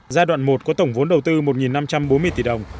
giai đoạn một có tổng vốn đầu tư một năm trăm bốn mươi tỷ đồng